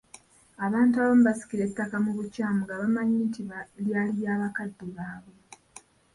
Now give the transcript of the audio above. Abantu abamu basikira ettaka mu bukyamu nga bamanyi nti lyali lya bakadde baabwe.